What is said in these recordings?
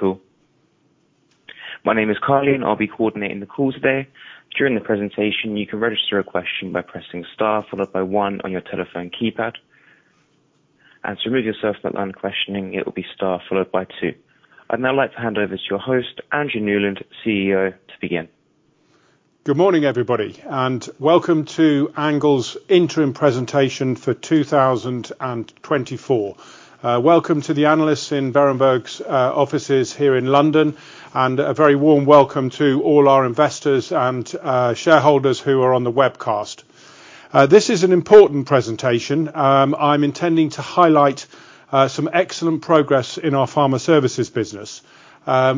Cool. My name is Carly, and I'll be coordinating the call today. During the presentation, you can register a question by pressing star followed by one on your telephone keypad, and to remove yourself from line questioning, it will be star followed by two. I'd now like to hand over to your host, Andrew Newland, CEO, to begin. Good morning, everybody, and welcome to Angle's interim presentation for two thousand and twenty-four. Welcome to the analysts in Berenberg's offices here in London, and a very warm welcome to all our investors and shareholders who are on the webcast. This is an important presentation. I'm intending to highlight some excellent progress in our pharma services business,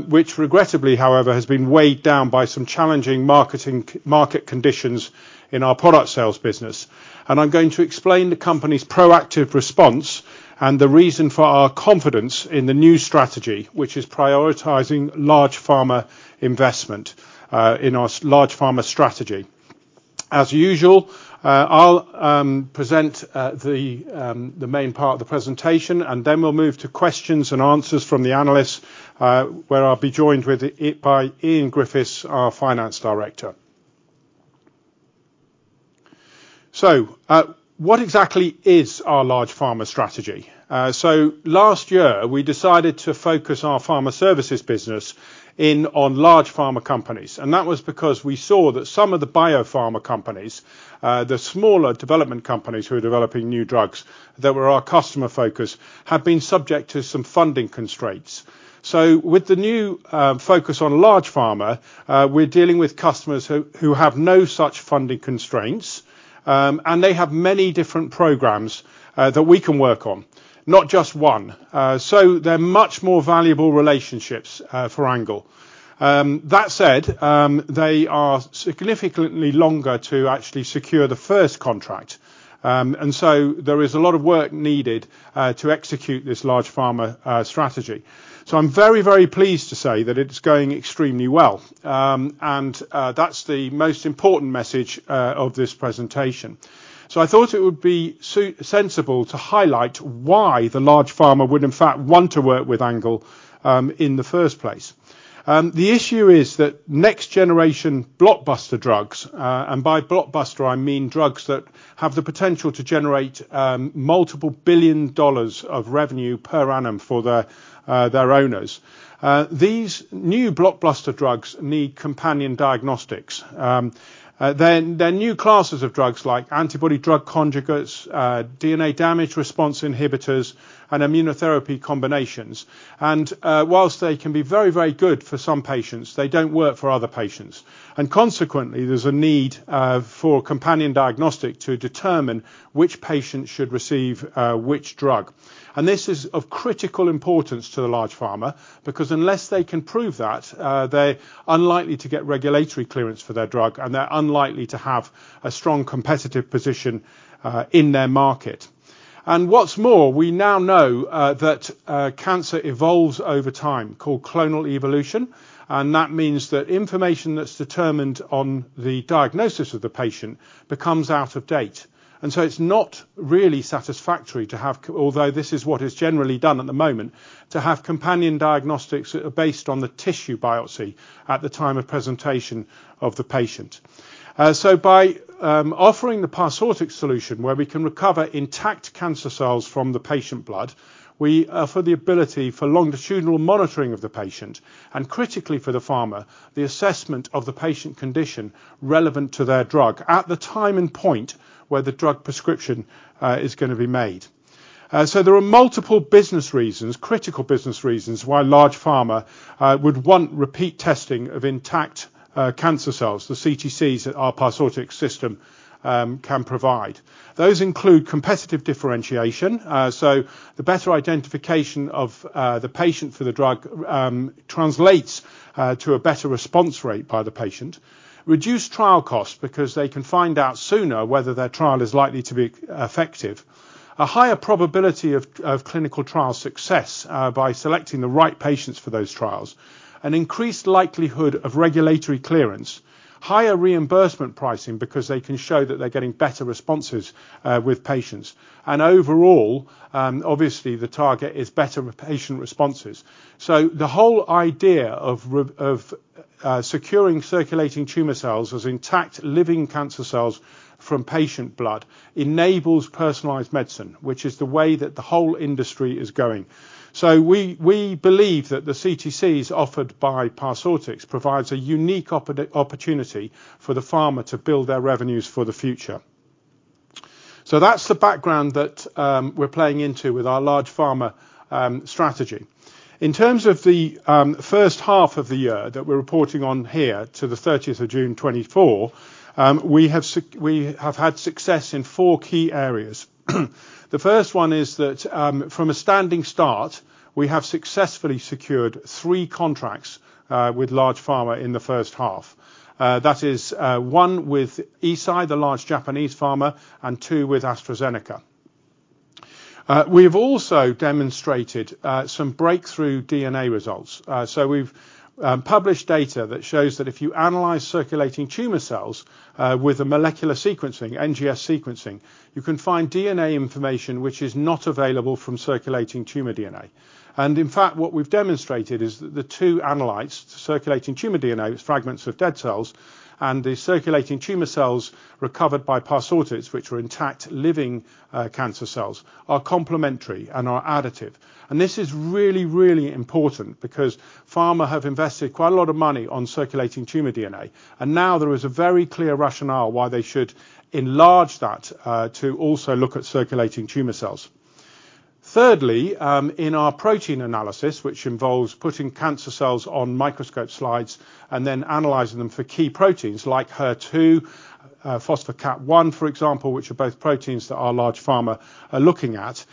which, regrettably, however, has been weighed down by some challenging market conditions in our product sales business. And I'm going to explain the company's proactive response and the reason for our confidence in the new strategy, which is prioritizing large pharma investment in our large pharma strategy. As usual, I'll present the main part of the presentation, and then we'll move to questions and answers from the analysts, where I'll be joined by Ian Griffiths, our finance director. So, what exactly is our large pharma strategy? So last year, we decided to focus our pharma services business on large pharma companies, and that was because we saw that some of the biopharma companies, the smaller development companies who are developing new drugs that were our customer focus, have been subject to some funding constraints. So with the new focus on large pharma, we're dealing with customers who have no such funding constraints, and they have many different programs that we can work on, not just one. So they're much more valuable relationships for Angle. That said, they are significantly longer to actually secure the first contract. And so there is a lot of work needed to execute this large pharma strategy. So I'm very, very pleased to say that it's going extremely well, and that's the most important message of this presentation. So I thought it would be sensible to highlight why the large pharma would, in fact, want to work with Angle in the first place. The issue is that next-generation blockbuster drugs, and by blockbuster, I mean drugs that have the potential to generate multiple billion dollars of revenue per annum for their owners. These new blockbuster drugs need companion diagnostics. They're new classes of drugs like antibody drug conjugates, DNA damage response inhibitors, and immunotherapy combinations. While they can be very, very good for some patients, they don't work for other patients, and consequently, there's a need for companion diagnostic to determine which patient should receive which drug. This is of critical importance to the large pharma, because unless they can prove that, they're unlikely to get regulatory clearance for their drug, and they're unlikely to have a strong competitive position in their market. What's more, we now know that cancer evolves over time, called clonal evolution, and that means that information that's determined on the diagnosis of the patient becomes out of date. So it's not really satisfactory, although this is what is generally done at the moment, to have companion diagnostics that are based on the tissue biopsy at the time of presentation of the patient. So by offering the Parsortix solution, where we can recover intact cancer cells from the patient blood, we offer the ability for longitudinal monitoring of the patient, and critically, for the pharma, the assessment of the patient condition relevant to their drug at the time and point where the drug prescription is gonna be made. There are multiple business reasons, critical business reasons, why large pharma would want repeat testing of intact cancer cells, the CTCs, that our Parsortix system can provide. Those include competitive differentiation, so the better identification of the patient for the drug translates to a better response rate by the patient. Reduced trial costs because they can find out sooner whether their trial is likely to be effective. A higher probability of clinical trial success by selecting the right patients for those trials. An increased likelihood of regulatory clearance. Higher reimbursement pricing because they can show that they're getting better responses with patients, and overall, obviously, the target is better patient responses, so the whole idea of securing circulating tumor cells as intact, living cancer cells from patient blood enables personalized medicine, which is the way that the whole industry is going, so we believe that the CTCs offered by Parsortix provides a unique opportunity for the pharma to build their revenues for the future, so that's the background that we're playing into with our large pharma strategy. In terms of the first half of the year that we're reporting on here to the thirtieth of June 2024, we have had success in four key areas. The first one is that, from a standing start, we have successfully secured three contracts with large pharma in the first half. That is, one with Eisai, the large Japanese pharma, and two with AstraZeneca. We've also demonstrated some breakthrough DNA results. So we've published data that shows that if you analyze circulating tumor cells with a molecular sequencing, NGS sequencing, you can find DNA information which is not available from circulating tumor DNA. In fact, what we've demonstrated is that the two analytes, the circulating tumor DNA, fragments of dead cells, and the circulating tumor cells recovered by Parsortix, which are intact living cancer cells, are complementary and are additive. This is really, really important because pharma have invested quite a lot of money on circulating tumor DNA, and now there is a very clear rationale why they should enlarge that to also look at circulating tumor cells. Thirdly, in our protein analysis, which involves putting cancer cells on microscope slides and then analyzing them for key proteins like HER2, Phospho-Chk1, for example, which are both proteins that our large pharma are looking at,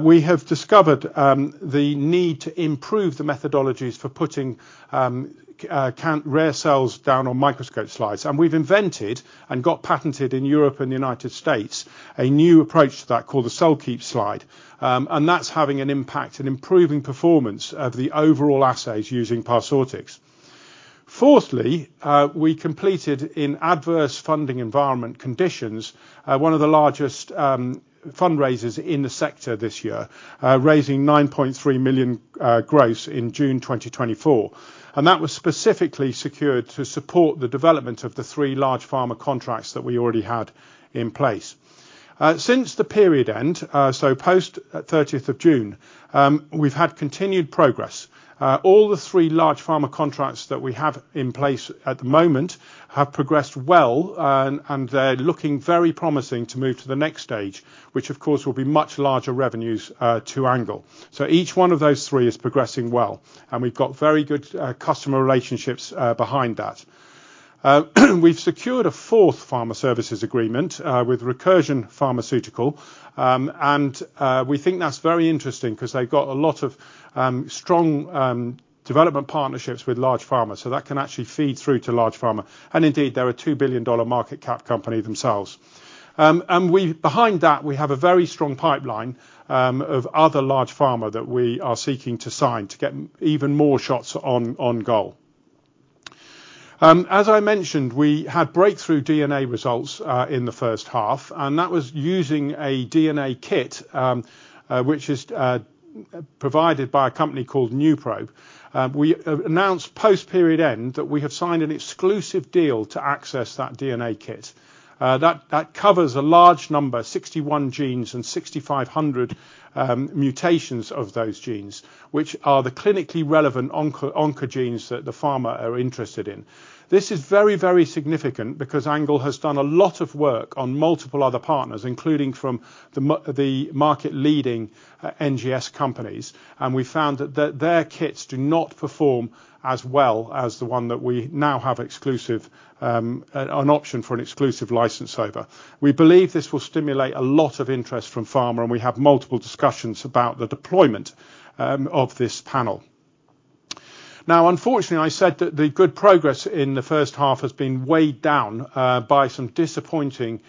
we have discovered the need to improve the methodologies for putting rare cells down on microscope slides. And we've invented and got patented in Europe and the United States a new approach to that called the CellKeep Slide. That's having an impact in improving performance of the overall assays using Parsortix. Fourthly, we completed in adverse funding environment conditions one of the largest fundraisers in the sector this year, raising 9.3 million gross in June 2024. That was specifically secured to support the development of the three large pharma contracts that we already had in place. Since the period end, so post the thirtieth of June, we've had continued progress. All the three large pharma contracts that we have in place at the moment have progressed well, and they're looking very promising to move to the next stage, which, of course, will be much larger revenues to Angle. So each one of those three is progressing well, and we've got very good customer relationships behind that. We've secured a fourth pharma services agreement with Recursion Pharmaceuticals, and we think that's very interesting because they've got a lot of strong development partnerships with large pharma, so that can actually feed through to large pharma. And indeed, they're a $2 billion market cap company themselves. Behind that, we have a very strong pipeline of other large pharma that we are seeking to sign to get even more shots on goal. As I mentioned, we had breakthrough DNA results in the first half, and that was using a DNA kit which is provided by a company called NuProbe. We announced post-period end that we have signed an exclusive deal to access that DNA kit. That covers a large number, 61 genes and 6,500 mutations of those genes, which are the clinically relevant oncogenes that the pharma are interested in. This is very, very significant because Angle has done a lot of work on multiple other partners, including from the market-leading NGS companies, and we found that their kits do not perform as well as the one that we now have an option for an exclusive license over. We believe this will stimulate a lot of interest from pharma, and we have multiple discussions about the deployment of this panel. Now, unfortunately, I said that the good progress in the first half has been weighed down by some disappointing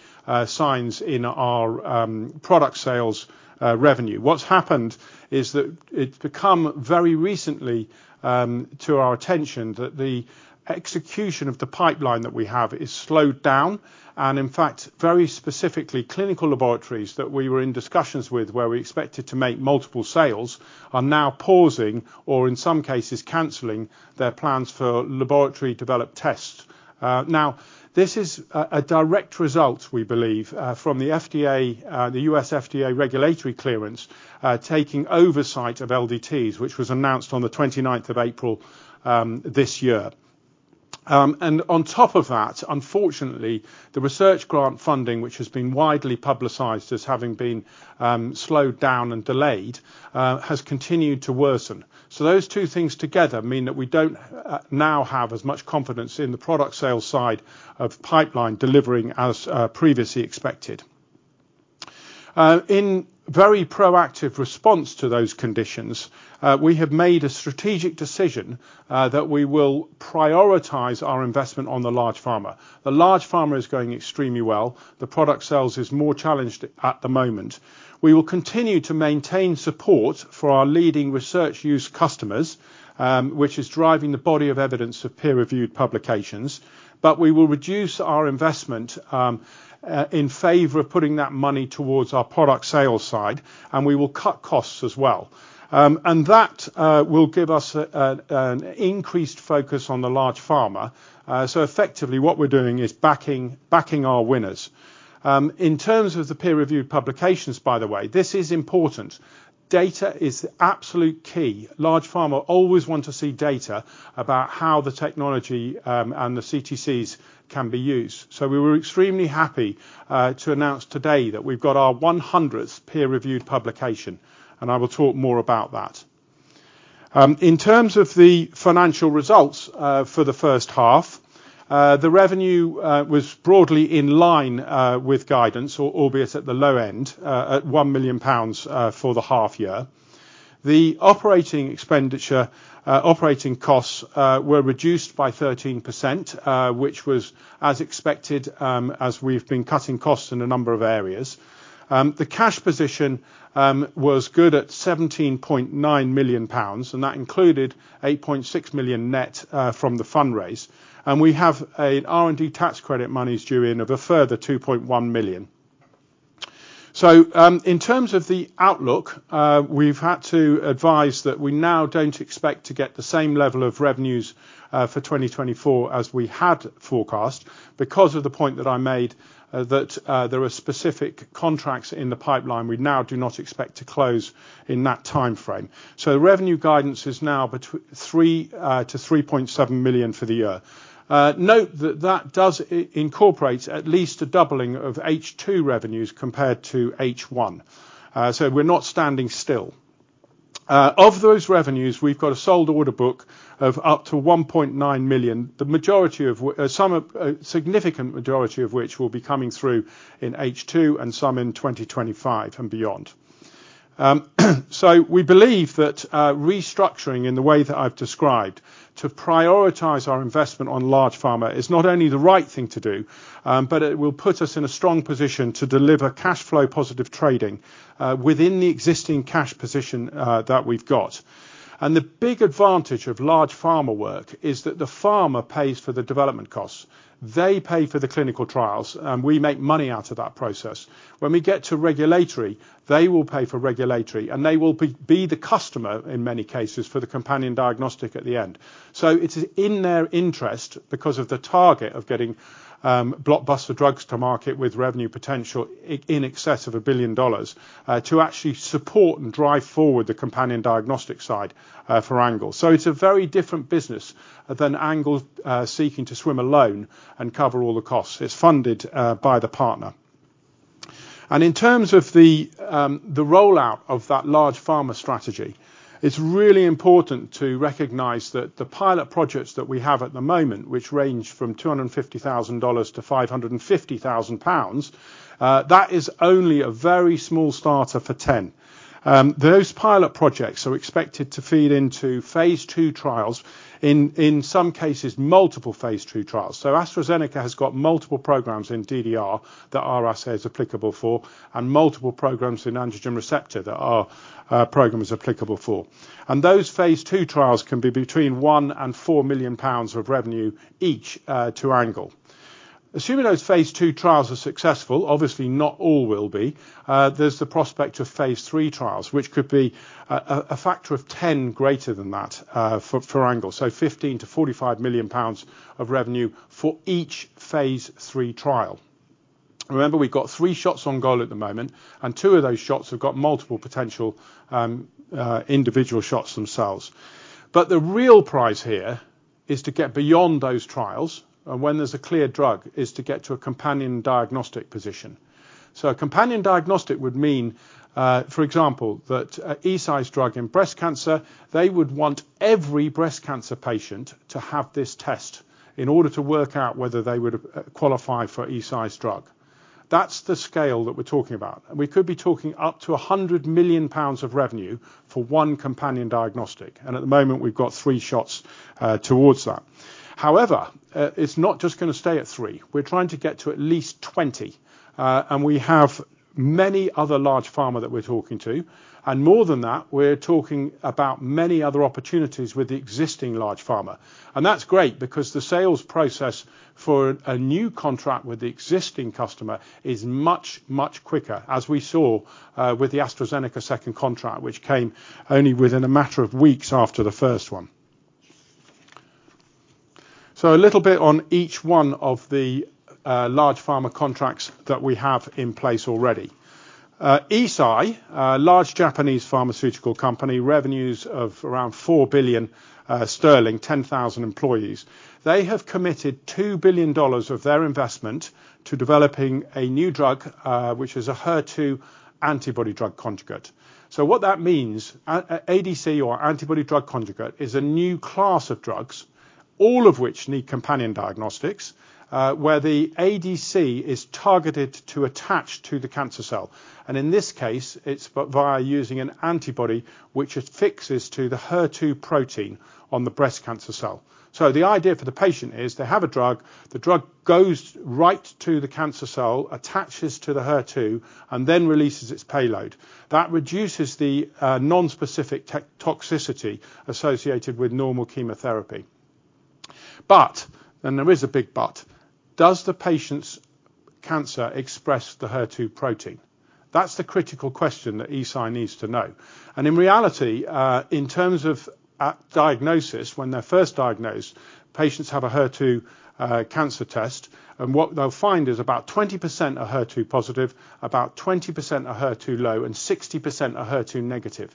signs in our product sales revenue. What's happened is that it's become very recently to our attention that the execution of the pipeline that we have is slowed down, and in fact, very specifically, clinical laboratories that we were in discussions with, where we expected to make multiple sales, are now pausing, or in some cases, canceling their plans for laboratory developed tests. Now, this is a direct result, we believe, from the FDA, the US FDA regulatory clearance taking oversight of LDTs, which was announced on the twenty-ninth of April this year. And on top of that, unfortunately, the research grant funding, which has been widely publicized as having been slowed down and delayed, has continued to worsen. So those two things together mean that we don't now have as much confidence in the product sales side of pipeline delivering as previously expected. In very proactive response to those conditions, we have made a strategic decision that we will prioritize our investment on the large pharma. The large pharma is going extremely well. The product sales is more challenged at the moment. We will continue to maintain support for our leading research use customers, which is driving the body of evidence of peer-reviewed publications, but we will reduce our investment in favor of putting that money towards our product sales side, and we will cut costs as well. And that will give us an increased focus on the large pharma. So effectively, what we're doing is backing our winners. In terms of the peer-reviewed publications, by the way, this is important. Data is the absolute key. Large pharma always want to see data about how the technology and the CTCs can be used. So we were extremely happy to announce today that we've got our one hundredth peer-reviewed publication, and I will talk more about that. In terms of the financial results for the first half, the revenue was broadly in line with guidance, or albeit at the low end, at 1 million pounds for the half year. The operating expenditure, operating costs, were reduced by 13%, which was as expected, as we've been cutting costs in a number of areas. The cash position was good at 17.9 million pounds, and that included 8.6 million net from the fundraise, and we have a R&D tax credit monies due in of a further 2.1 million, so in terms of the outlook, we've had to advise that we now don't expect to get the same level of revenues for 2024 as we had forecast, because of the point that I made, that there are specific contracts in the pipeline we now do not expect to close in that timeframe, so revenue guidance is now between 3 to 3.7 million for the year. Note that that does incorporate at least a doubling of H2 revenues compared to H1. We're not standing still. Of those revenues, we've got a sold order book of up to 1.9 million, the significant majority of which will be coming through in H2 and some in 2025 and beyond. We believe that restructuring in the way that I've described, to prioritize our investment on large pharma, is not only the right thing to do, but it will put us in a strong position to deliver cash flow positive trading within the existing cash position that we've got. The big advantage of large pharma work is that the pharma pays for the development costs. They pay for the clinical trials, and we make money out of that process. When we get to regulatory, they will pay for regulatory, and they will be the customer, in many cases, for the companion diagnostic at the end. It's in their interest, because of the target of getting blockbuster drugs to market with revenue potential in excess of $1 billion to actually support and drive forward the companion diagnostic side for Angle. It's a very different business than Angle seeking to swim alone and cover all the costs. It's funded by the partner. In terms of the rollout of that large pharma strategy, it's really important to recognize that the pilot projects that we have at the moment, which range from $250,000 to 550,000 pounds, that is only a very small starter for ten. Those pilot projects are expected to feed into phase II trials, in some cases, multiple phase II trials. AstraZeneca has got multiple programs in DDR that our assay is applicable for, and multiple programs in androgen receptor that our program is applicable for. Those phase II trials can be between 1 million and 4 million pounds of revenue each, to Angle. Assuming those phase II trials are successful, obviously not all will be, there's the prospect of phase III trials, which could be a factor of ten greater than that, for Angle, so 15 million to 45 million pounds of revenue for each phase III trial. Remember, we've got three shots on goal at the moment, and two of those shots have got multiple potential, individual shots themselves. But the real prize here is to get beyond those trials, and when there's a clear drug, is to get to a companion diagnostic position. So a companion diagnostic would mean, for example, that Eisai's drug in breast cancer, they would want every breast cancer patient to have this test in order to work out whether they would qualify for Eisai's drug. That's the scale that we're talking about, and we could be talking up to 100 million pounds of revenue for one companion diagnostic, and at the moment, we've got three shots towards that. However, it's not just gonna stay at three. We're trying to get to at least 20, and we have many other large pharma that we're talking to. And more than that, we're talking about many other opportunities with the existing large pharma. And that's great, because the sales process for a new contract with the existing customer is much, much quicker, as we saw with the AstraZeneca second contract, which came only within a matter of weeks after the first one. So a little bit on each one of the large pharma contracts that we have in place already. Eisai, a large Japanese pharmaceutical company, revenues of around 4 billion sterling, 10,000 employees. They have committed $2 billion of their investment to developing a new drug, which is a HER2 antibody drug conjugate. So what that means, ADC or antibody drug conjugate, is a new class of drugs, all of which need companion diagnostics, where the ADC is targeted to attach to the cancer cell, and in this case, it's via using an antibody, which it fixes to the HER2 protein on the breast cancer cell. So the idea for the patient is to have a drug, the drug goes right to the cancer cell, attaches to the HER2, and then releases its payload. That reduces the nonspecific toxicity associated with normal chemotherapy. But, and there is a big but, does the patient's cancer express the HER2 protein? That's the critical question that Eisai needs to know. And in reality, in terms of at diagnosis, when they're first diagnosed, patients have a HER2 cancer test, and what they'll find is about 20% are HER2 positive, about 20% are HER2 low, and 60% are HER2 negative.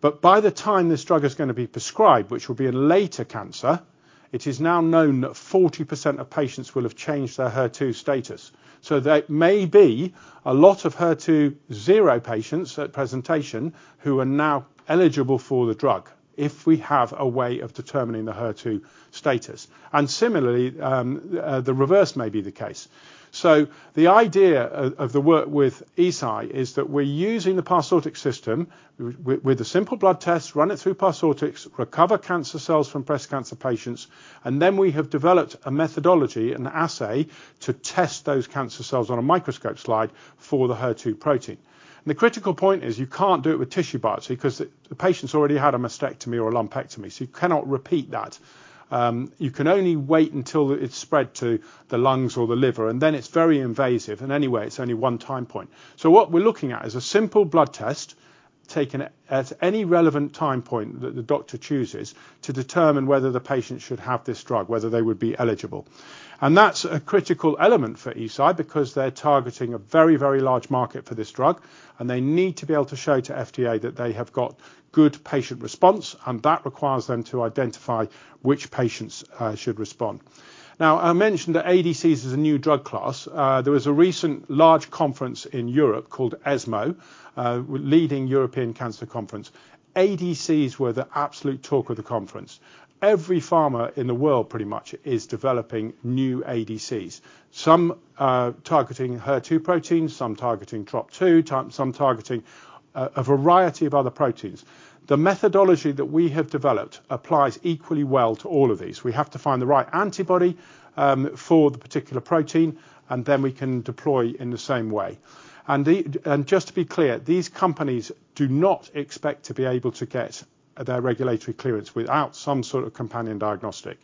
But by the time this drug is gonna be prescribed, which will be in later cancer, it is now known that 40% of patients will have changed their HER2 status. So there may be a lot of HER2 zero patients at presentation who are now eligible for the drug, if we have a way of determining the HER2 status. And similarly, the reverse may be the case. So the idea of the work with Eisai is that we're using the Parsortix system with a simple blood test, run it through Parsortix, recover cancer cells from breast cancer patients, and then we have developed a methodology, an assay, to test those cancer cells on a microscope slide for the HER2 protein. And the critical point is you can't do it with tissue biopsy, 'cause the patient's already had a mastectomy or a lumpectomy, so you cannot repeat that. You can only wait until it's spread to the lungs or the liver, and then it's very invasive, and anyway, it's only one time point. So what we're looking at is a simple blood test taken at any relevant time point that the doctor chooses to determine whether the patient should have this drug, whether they would be eligible. And that's a critical element for Eisai, because they're targeting a very, very large market for this drug, and they need to be able to show to FDA that they have got good patient response, and that requires them to identify which patients should respond. Now, I mentioned that ADCs is a new drug class. There was a recent large conference in Europe called ESMO, leading European Cancer Conference. ADCs were the absolute talk of the conference. Every pharma in the world, pretty much, is developing new ADCs. Some targeting HER2 proteins, some targeting Trop-2, some targeting a variety of other proteins. The methodology that we have developed applies equally well to all of these. We have to find the right antibody for the particular protein, and then we can deploy in the same way. Just to be clear, these companies do not expect to be able to get their regulatory clearance without some sort of companion diagnostic.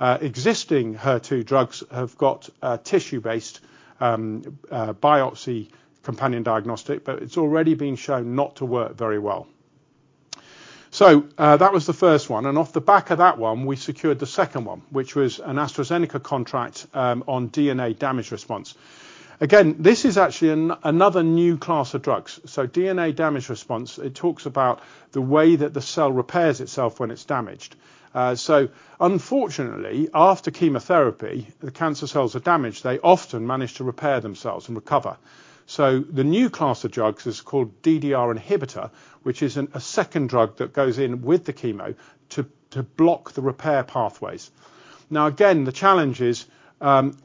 Existing HER2 drugs have got a tissue-based biopsy companion diagnostic, but it's already been shown not to work very well, so that was the first one, and off the back of that one, we secured the second one, which was an AstraZeneca contract on DNA damage response. Again, this is actually another new class of drugs, so DNA damage response, it talks about the way that the cell repairs itself when it's damaged, so unfortunately, after chemotherapy, the cancer cells are damaged, they often manage to repair themselves and recover. So the new class of drugs is called DDR inhibitor, which is a second drug that goes in with the chemo to block the repair pathways. Now, again, the challenge is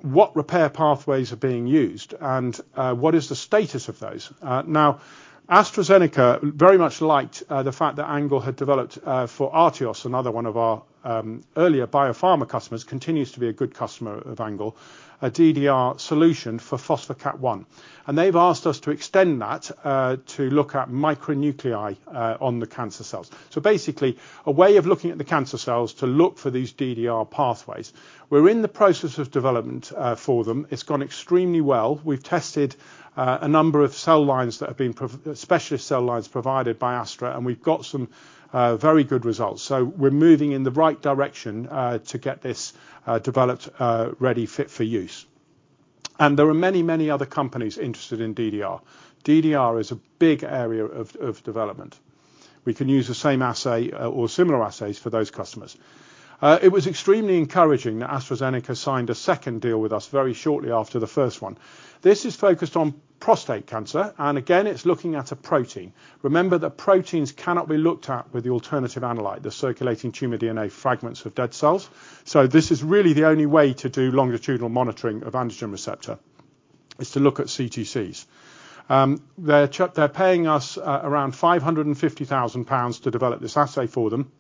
what repair pathways are being used, and what is the status of those? Now, AstraZeneca very much liked the fact that Angle had developed for Artios, another one of our earlier biopharma customers, continues to be a good customer of Angle, a DDR solution for Phospho-Chk1. And they've asked us to extend that to look at micronuclei on the cancer cells. So basically, a way of looking at the cancer cells to look for these DDR pathways. We're in the process of development for them. It's gone extremely well. We've tested a number of cell lines, especially cell lines provided by Astra, and we've got some very good results, so we're moving in the right direction to get this developed, ready, fit for use, and there are many, many other companies interested in DDR. DDR is a big area of development. We can use the same assay or similar assays for those customers. It was extremely encouraging that AstraZeneca signed a second deal with us very shortly after the first one. This is focused on prostate cancer, and again, it's looking at a protein. Remember that proteins cannot be looked at with the alternative analyte, the circulating tumor DNA fragments of dead cells. So this is really the only way to do longitudinal monitoring of androgen receptor, is to look at CTCs. They're paying us around 550,000 pounds to develop this assay for them.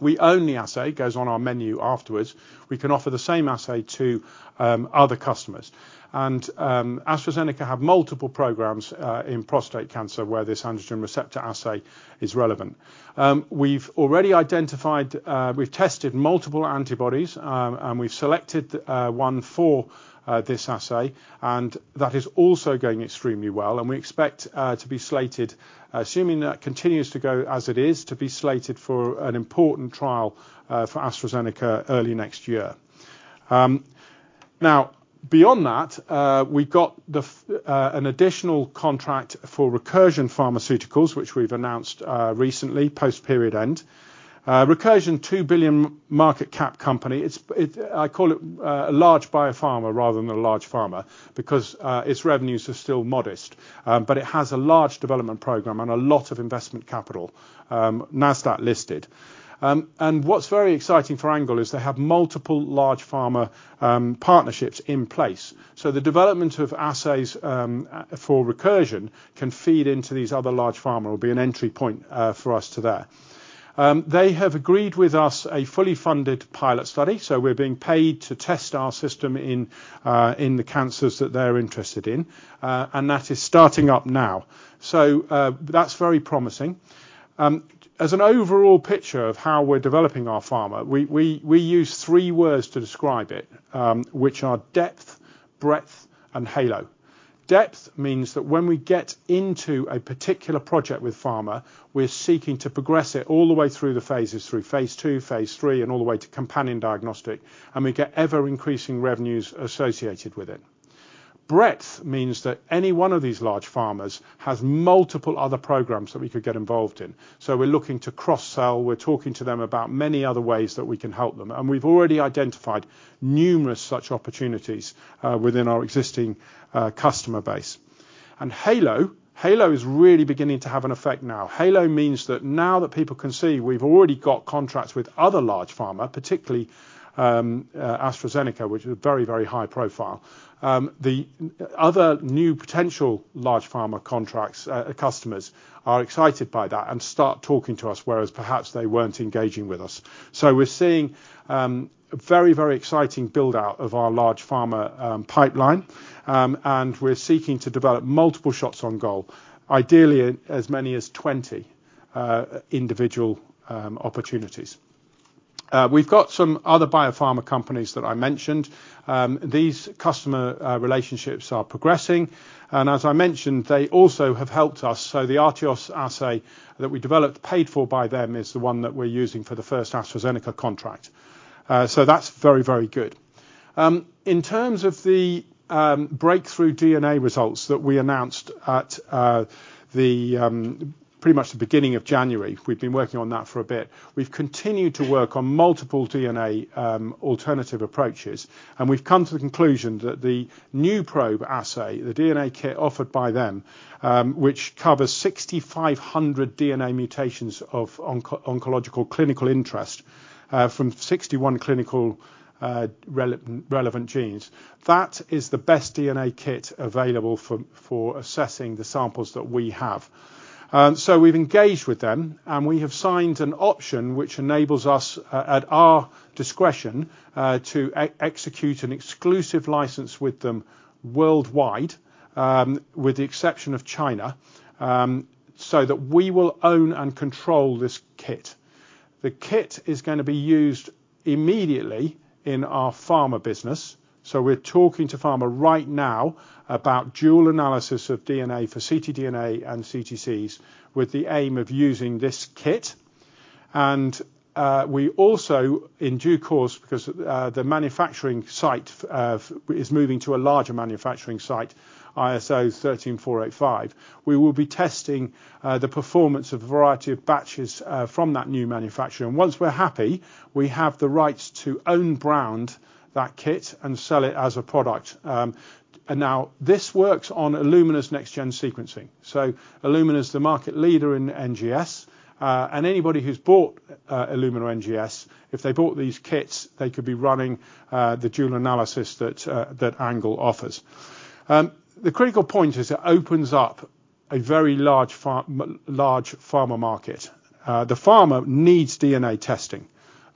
We own the assay, goes on our menu afterwards. We can offer the same assay to other customers, and AstraZeneca have multiple programs in prostate cancer, where this androgen receptor assay is relevant. We've already identified, we've tested multiple antibodies, and we've selected one for this assay, and that is also going extremely well, and we expect to be slated, assuming that continues to go as it is, for an important trial for AstraZeneca early next year. Now, beyond that, we got an additional contract for Recursion Pharmaceuticals, which we've announced recently, post-period end. Recursion, two billion market cap company. It's, I call it, a large biopharma rather than a large pharma, because its revenues are still modest, but it has a large development program and a lot of investment capital, NASDAQ listed, and what's very exciting for Angle is they have multiple large pharma partnerships in place. So the development of assays for Recursion can feed into these other large pharma will be an entry point for us to there. They have agreed with us a fully funded pilot study, so we're being paid to test our system in the cancers that they're interested in, and that is starting up now, so that's very promising. As an overall picture of how we're developing our pharma, we use three words to describe it, which are depth, breadth, and halo. Depth means that when we get into a particular project with pharma, we're seeking to progress it all the way through the phases, through phase II, phase III, and all the way to companion diagnostic, and we get ever-increasing revenues associated with it. Breadth means that any one of these large pharmas has multiple other programs that we could get involved in. So we're looking to cross-sell. We're talking to them about many other ways that we can help them, and we've already identified numerous such opportunities within our existing customer base. And halo is really beginning to have an effect now. Halo means that now that people can see we've already got contracts with other large pharma, particularly AstraZeneca, which is very, very high profile. The other new potential large pharma contracts customers are excited by that and start talking to us, whereas perhaps they weren't engaging with us. So we're seeing a very, very exciting build-out of our large pharma pipeline. And we're seeking to develop multiple shots on goal, ideally as many as 20 individual opportunities. We've got some other biopharma companies that I mentioned. These customer relationships are progressing, and as I mentioned, they also have helped us. So the Artios assay that we developed, paid for by them, is the one that we're using for the first AstraZeneca contract. So that's very, very good. In terms of the breakthrough DNA results that we announced at pretty much the beginning of January, we've been working on that for a bit. We've continued to work on multiple DNA alternative approaches, and we've come to the conclusion that the NuProbe assay, the DNA kit offered by them, which covers 6,500 DNA mutations of oncological clinical interest from 61 clinically relevant genes, that is the best DNA kit available for assessing the samples that we have. So we've engaged with them, and we have signed an option which enables us, at our discretion, to execute an exclusive license with them worldwide, with the exception of China, so that we will own and control this kit. The kit is gonna be used immediately in our pharma business, so we're talking to pharma right now about dual analysis of DNA for ctDNA and CTCs, with the aim of using this kit. And we also, in due course, because the manufacturing site of is moving to a larger manufacturing site, ISO 13485, we will be testing the performance of a variety of batches from that new manufacturer. And once we're happy, we have the rights to own brand that kit and sell it as a product. And now, this works on Illumina's next-gen sequencing. So Illumina's the market leader in NGS. And anybody who's bought Illumina NGS, if they bought these kits, they could be running the dual analysis that Angle offers. The critical point is it opens up a very large pharma market. The pharma needs DNA testing.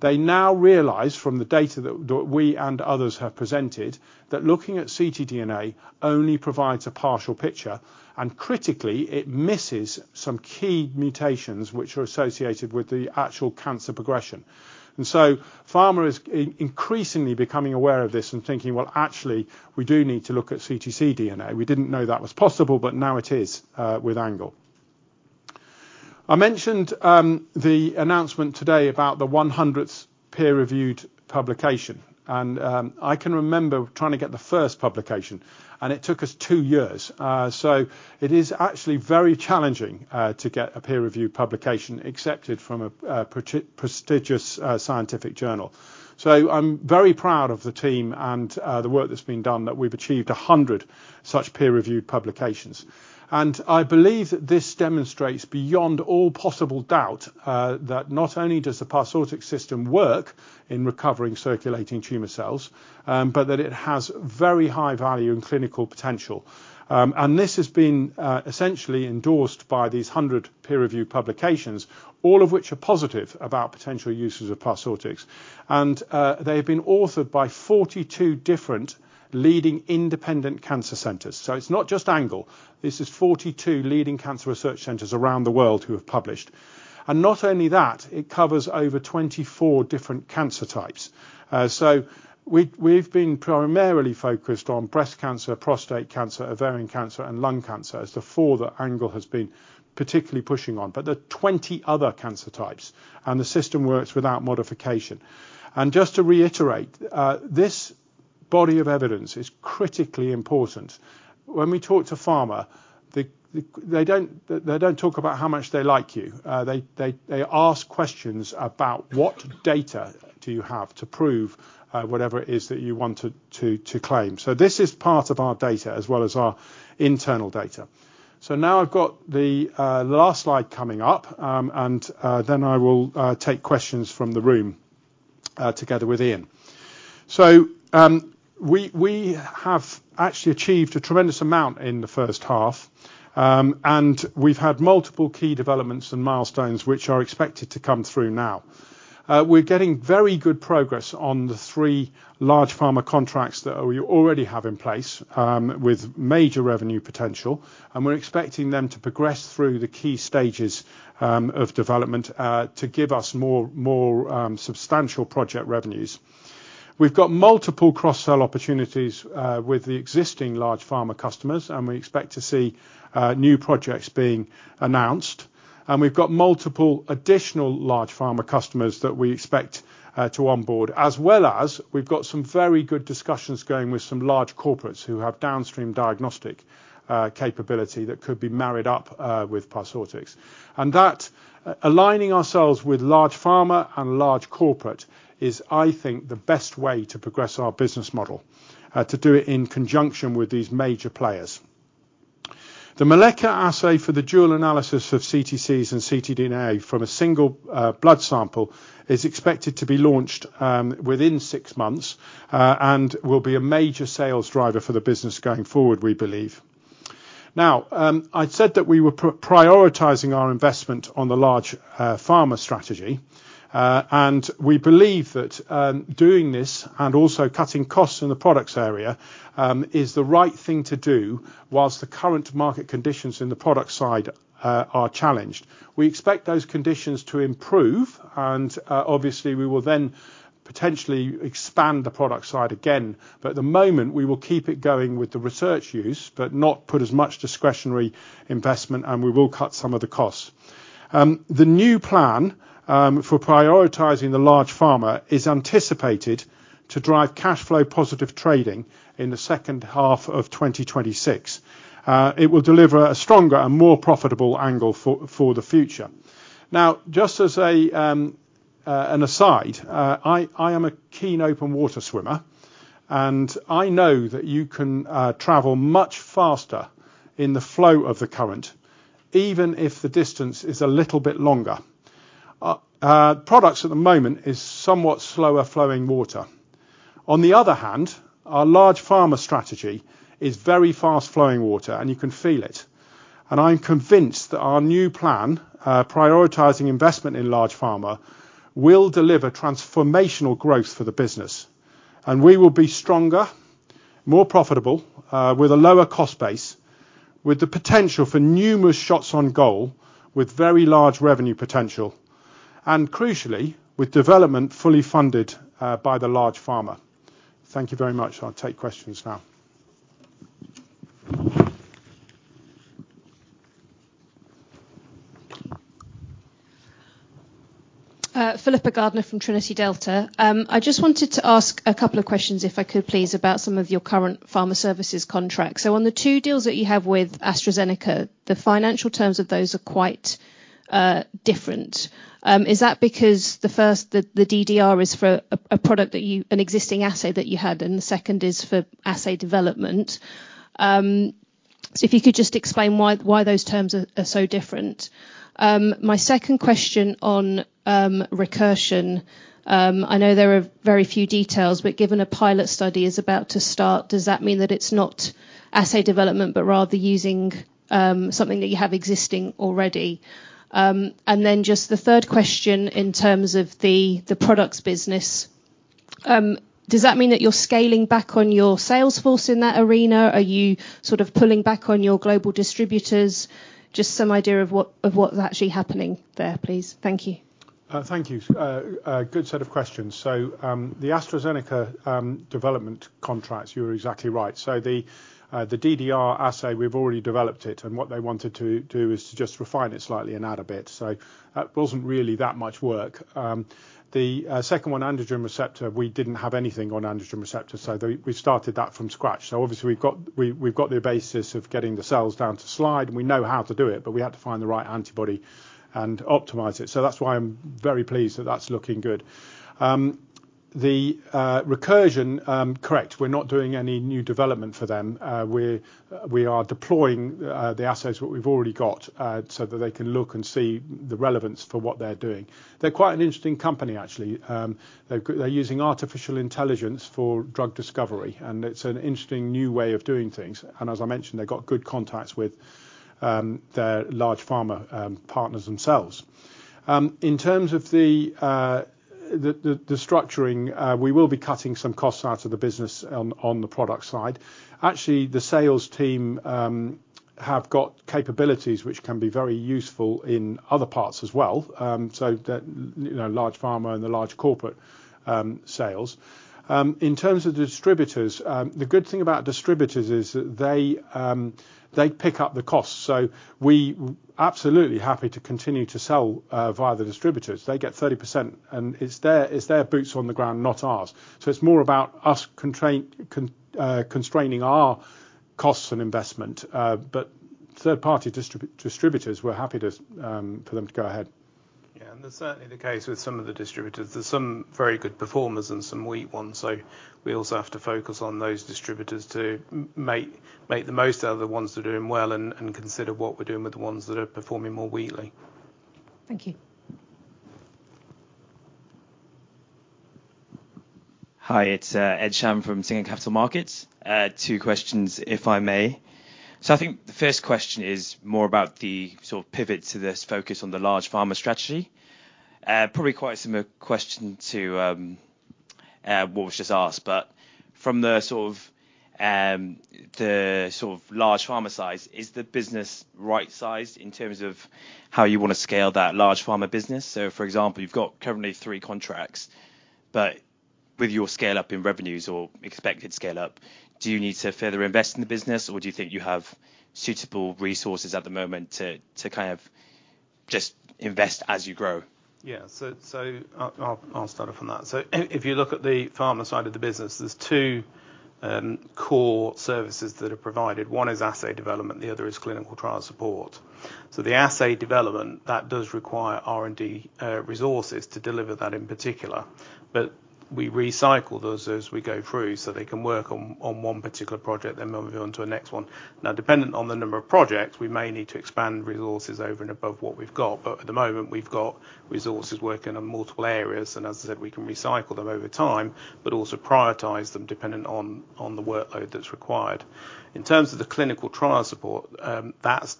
They now realize from the data that we and others have presented, that looking at ctDNA only provides a partial picture, and critically, it misses some key mutations which are associated with the actual cancer progression. So, pharma is increasingly becoming aware of this and thinking, "Well, actually, we do need to look at CTC DNA. We didn't know that was possible, but now it is, with Angle." I mentioned the announcement today about the one hundredth peer-reviewed publication, and I can remember trying to get the first publication, and it took us two years. So it is actually very challenging to get a peer-reviewed publication accepted from a prestigious scientific journal. So I'm very proud of the team and, the work that's been done, that we've achieved 100 such peer-reviewed publications. And I believe that this demonstrates beyond all possible doubt, that not only does the Parsortix system work in recovering circulating tumor cells, but that it has very high value and clinical potential. And this has been, essentially endorsed by these 100 peer-reviewed publications, all of which are positive about potential uses of Parsortix. And, they have been authored by 42 different leading independent cancer centers. So it's not just Angle. This is 42 leading cancer research centers around the world who have published. And not only that, it covers over 24 different cancer types. So we've been primarily focused on breast cancer, prostate cancer, ovarian cancer, and lung cancer as the four that Angle has been particularly pushing on. But there are 20 other cancer types, and the system works without modification. And just to reiterate, this body of evidence is critically important. When we talk to pharma, they don't talk about how much they like you. They ask questions about what data do you have to prove whatever it is that you want to claim? So this is part of our data, as well as our internal data. So now I've got the last slide coming up, and then I will take questions from the room together with Ian. So we have actually achieved a tremendous amount in the first half, and we've had multiple key developments and milestones, which are expected to come through now. We're getting very good progress on the three large pharma contracts that we already have in place, with major revenue potential, and we're expecting them to progress through the key stages of development to give us more substantial project revenues. We've got multiple cross-sell opportunities with the existing large pharma customers, and we expect to see new projects being announced. And we've got multiple additional large pharma customers that we expect to onboard, as well as we've got some very good discussions going with some large corporates who have downstream diagnostic capability that could be married up with Parsortix. And that, aligning ourselves with large pharma and large corporate is, I think, the best way to progress our business model to do it in conjunction with these major players. The molecular assay for the dual analysis of CTCs and ctDNA from a single blood sample is expected to be launched within six months and will be a major sales driver for the business going forward, we believe. Now, I'd said that we were prioritizing our investment on the large pharma strategy, and we believe that doing this and also cutting costs in the products area is the right thing to do whilst the current market conditions in the product side are challenged. We expect those conditions to improve, and obviously, we will then potentially expand the product side again. But at the moment, we will keep it going with the research use, but not put as much discretionary investment, and we will cut some of the costs. The new plan for prioritizing the large pharma is anticipated to drive cash flow positive trading in the second half of 2026. It will deliver a stronger and more profitable angle for the future. Now, just as an aside, I am a keen open water swimmer, and I know that you can travel much faster in the flow of the current, even if the distance is a little bit longer. Products at the moment is somewhat slower flowing water. On the other hand, our large pharma strategy is very fast flowing water, and you can feel it. And I'm convinced that our new plan, prioritizing investment in large pharma, will deliver transformational growth for the business, and we will be stronger, more profitable, with a lower cost base, with the potential for numerous shots on goal, with very large revenue potential, and crucially, with development fully funded, by the large pharma. Thank you very much. I'll take questions now. Philippa Gardner from Trinity Delta. I just wanted to ask a couple of questions, if I could please, about some of your current pharma services contracts. On the two deals that you have with AstraZeneca, the financial terms of those are quite different. Is that because the first, the DDR is for a product that you... an existing assay that you had, and the second is for assay development? My second question on Recursion. I know there are very few details, but given a pilot study is about to start, does that mean that it's not assay development, but rather using something that you have existing already? And then just the third question in terms of the products business, does that mean that you're scaling back on your sales force in that arena? Are you sort of pulling back on your global distributors? Just some idea of what's actually happening there, please. Thank you. Thank you. A good set of questions. So, the AstraZeneca development contracts, you're exactly right. So the DDR assay, we've already developed it, and what they wanted to do is to just refine it slightly and add a bit. So that wasn't really that much work. The second one, androgen receptor, we didn't have anything on androgen receptor, so we started that from scratch. So obviously, we've got the basis of getting the cells down to slide, and we know how to do it, but we had to find the right antibody and optimize it. So that's why I'm very pleased that that's looking good. The Recursion, correct, we're not doing any new development for them. We're deploying the assays what we've already got, so that they can look and see the relevance for what they're doing. They're quite an interesting company, actually. They're using artificial intelligence for drug discovery, and it's an interesting new way of doing things. And as I mentioned, they've got good contacts with their large pharma partners themselves. In terms of the structuring, we will be cutting some costs out of the business on the product side. Actually, the sales team have got capabilities which can be very useful in other parts as well. So the, you know, large pharma and the large corporate sales. In terms of the distributors, the good thing about distributors is that they pick up the costs. So we absolutely happy to continue to sell via the distributors. They get 30%, and it's their boots on the ground, not ours. So it's more about us constraining our costs and investment, but third-party distributors, we're happy to for them to go ahead. Yeah, and that's certainly the case with some of the distributors. There's some very good performers and some weak ones, so we also have to focus on those distributors to make the most out of the ones that are doing well and consider what we're doing with the ones that are performing more weakly. Thank you. Hi, it's Ed Sham from Singer Capital Markets. Two questions, if I may. I think the first question is more about the sort of pivot to this focus on the large pharma strategy. Probably quite a similar question to what was just asked, but from the sort of large pharma size, is the business right-sized in terms of how you wanna scale that large pharma business? So for example, you've got currently three contracts, but with your scale-up in revenues or expected scale-up, do you need to further invest in the business, or do you think you have suitable resources at the moment to kind of just invest as you grow? Yeah. I'll start off on that. If you look at the pharma side of the business, there's two core services that are provided. One is assay development, the other is clinical trial support. The assay development does require R&D resources to deliver that in particular, but we recycle those as we go through, so they can work on one particular project, then move on to the next one. Now, depending on the number of projects, we may need to expand resources over and above what we've got, but at the moment, we've got resources working on multiple areas, and as I said, we can recycle them over time, but also prioritize them depending on the workload that's required. In terms of the clinical trial support, that's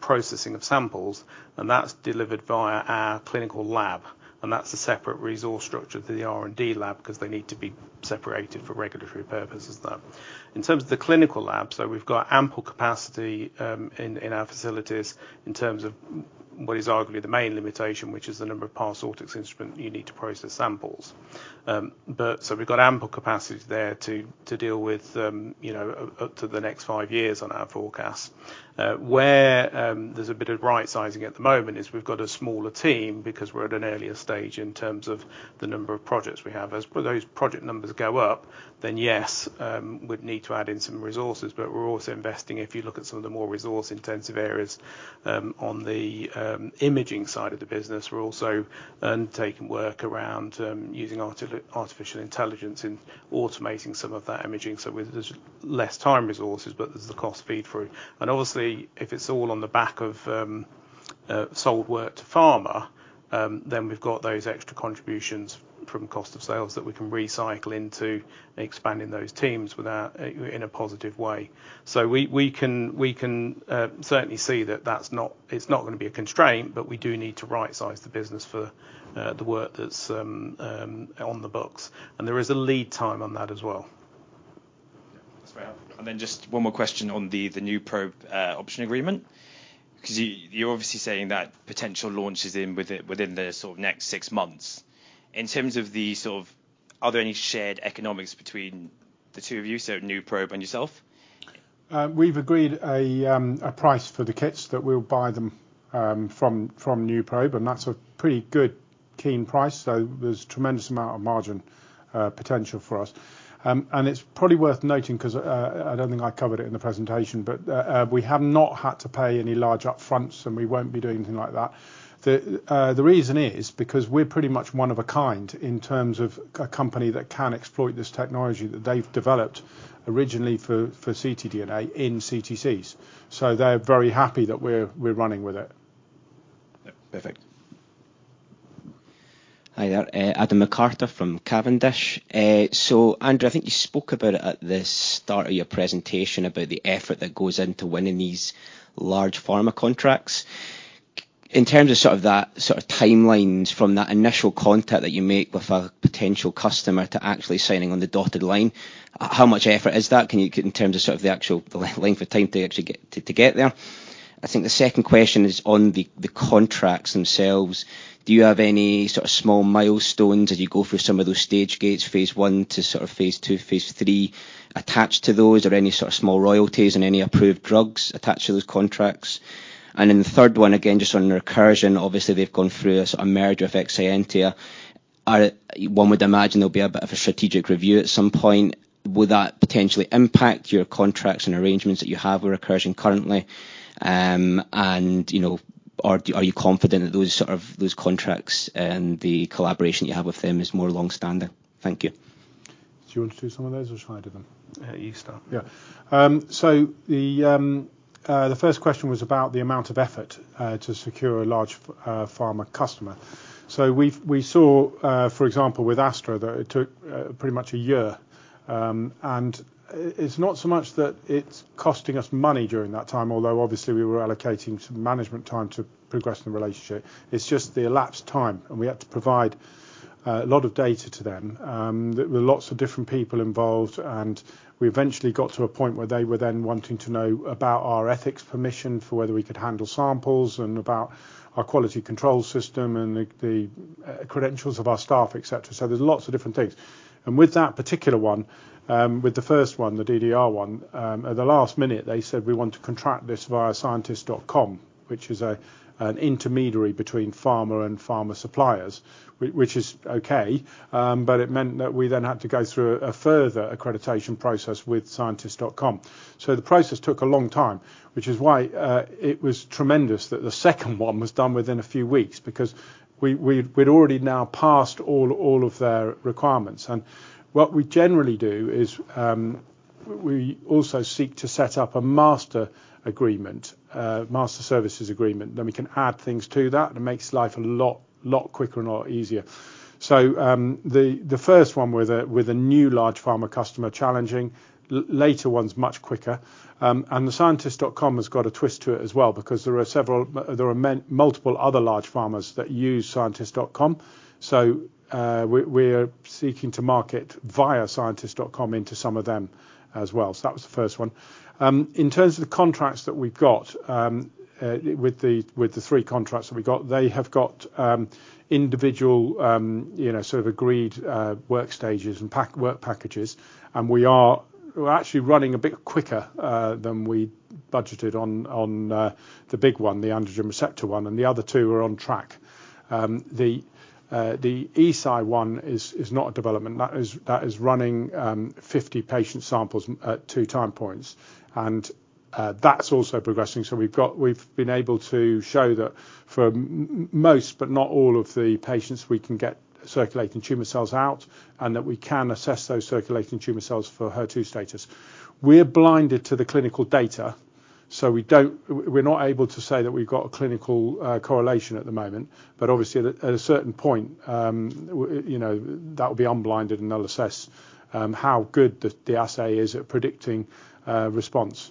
processing of samples, and that's delivered via our clinical lab, and that's a separate resource structure to the R&D lab, 'cause they need to be separated for regulatory purposes though. In terms of the clinical lab, so we've got ample capacity, in our facilities in terms of what is arguably the main limitation, which is the number of Parsortix instrument you need to process samples.... but so we've got ample capacity there to deal with, you know, up to the next five years on our forecast. Where there's a bit of right sizing at the moment is we've got a smaller team because we're at an earlier stage in terms of the number of projects we have. But those project numbers go up, then yes, we'd need to add in some resources, but we're also investing, if you look at some of the more resource-intensive areas, on the imaging side of the business. We're also taking work around using artificial intelligence and automating some of that imaging, so there's less time resources, but there's the cost feed through. Obviously, if it's all on the back of solid work to pharma, then we've got those extra contributions from cost of sales that we can recycle into expanding those teams without in a positive way. We can certainly see that that's not. It's not gonna be a constraint, but we do need to right-size the business for the work that's on the books, and there is a lead time on that as well. That's right, and then just one more question on the NuProbe option agreement. Because you're obviously saying that potential launch is within the sort of next six months. In terms of the sort of... Are there any shared economics between the two of you, so NuProbe and yourself? We've agreed a price for the kits that we'll buy them from NuProbe, and that's a pretty good, keen price. So there's tremendous amount of margin potential for us. And it's probably worth noting, 'cause I don't think I covered it in the presentation, but we have not had to pay any large upfronts, and we won't be doing anything like that. The reason is, because we're pretty much one of a kind in terms of a company that can exploit this technology that they've developed originally for ctDNA in CTCs. So they're very happy that we're running with it. Yeah. Perfect. Hi there, Adam McCarter from Cavendish. So, Andrew, I think you spoke about it at the start of your presentation, about the effort that goes into winning these large pharma contracts. In terms of sort of that, sort of timelines from that initial contact that you make with a potential customer to actually signing on the dotted line, how much effort is that? Can you, in terms of, sort of the actual, the length of time to actually get there? I think the second question is on the contracts themselves. Do you have any sort of small milestones as you go through some of those stage gates, phase one to sort of phase two, phase three, attached to those? Or any sort of small royalties on any approved drugs attached to those contracts? And then the third one, again, just on Recursion. Obviously, they've gone through a sort of merger with Exscientia. One would imagine there'll be a bit of a strategic review at some point. Will that potentially impact your contracts and arrangements that you have with Recursion currently? And, you know, are you confident that those sort of those contracts and the collaboration you have with them is more long-standing? Thank you. Do you want to do some of those, or shall I do them? You start. Yeah. The first question was about the amount of effort to secure a large pharma customer. We've seen, for example, with Astra, that it took pretty much a year. It's not so much that it's costing us money during that time, although obviously we were allocating some management time to progress the relationship. It's just the elapsed time, and we had to provide a lot of data to them. There were lots of different people involved, and we eventually got to a point where they were then wanting to know about our ethics permission for whether we could handle samples, and about our quality control system and the credentials of our staff, et cetera. There's lots of different things. And with that particular one, with the first one, the DDR one, at the last minute, they said, "We want to contract this via Scientist.com," which is an intermediary between pharma and pharma suppliers. Which is okay, but it meant that we then had to go through a further accreditation process with Scientist.com. So the process took a long time, which is why it was tremendous that the second one was done within a few weeks, because we'd already now passed all of their requirements. And what we generally do is, we also seek to set up a master agreement, master services agreement. Then we can add things to that, and it makes life a lot, lot quicker and a lot easier. So, the first one with a new large pharma customer, challenging. Later ones, much quicker. The Scientist.com has got a twist to it as well, because there are multiple other large pharmas that use Scientist.com. We're seeking to market via Scientist.com into some of them as well. That was the first one. In terms of the contracts that we've got, with the three contracts that we've got, they have got individual, you know, sort of agreed work stages and work packages, and we're actually running a bit quicker than we budgeted on the big one, the androgen receptor one, and the other two are on track. The Eisai one is not a development. That is running 50 patient samples at two time points, and that's also progressing. So we've been able to show that for most, but not all of the patients, we can get circulating tumor cells out, and that we can assess those circulating tumor cells for HER2 status. We're blinded to the clinical data, so we don't... We're not able to say that we've got a clinical correlation at the moment, but obviously at a certain point, you know, that will be unblinded, and they'll assess how good the assay is at predicting response.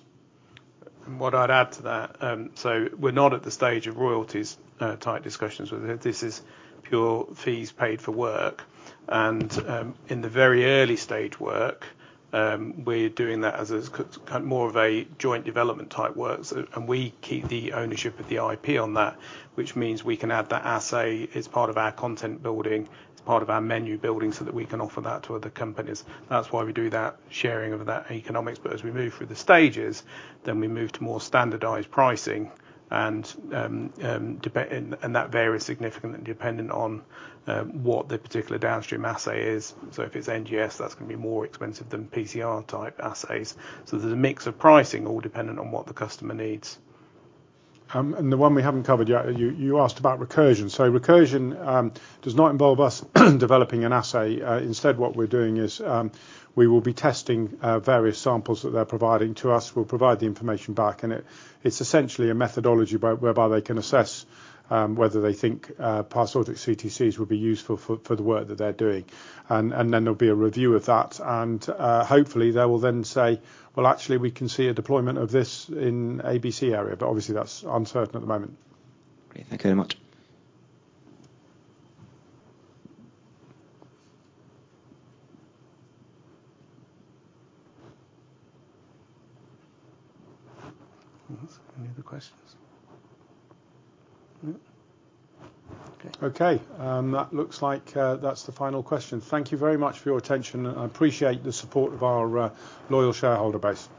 And what I'd add to that, so we're not at the stage of royalties type discussions with it. This is pure fees paid for work, and in the very early stage work, we're doing that as a kind of more of a joint development type work. So, and we keep the ownership of the IP on that, which means we can add that assay as part of our content building, as part of our menu building, so that we can offer that to other companies. That's why we do that sharing of that economics. But as we move through the stages, then we move to more standardized pricing, and that varies significantly dependent on what the particular downstream assay is. So if it's NGS, that's gonna be more expensive than PCR type assays. There's a mix of pricing, all dependent on what the customer needs. And the one we haven't covered yet, you, you asked about Recursion. So Recursion does not involve us developing an assay. Instead, what we're doing is we will be testing various samples that they're providing to us. We'll provide the information back, and it's essentially a methodology whereby they can assess whether they think Parsortix CTCs will be useful for the work that they're doing. And then there'll be a review of that. And hopefully, they will then say, "Well, actually, we can see a deployment of this in ABC area," but obviously that's uncertain at the moment. Great. Thank you very much. Any other questions? No. Okay. That looks like that's the final question. Thank you very much for your attention, and I appreciate the support of our loyal shareholder base.